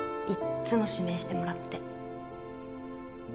いっつも指名してもらって。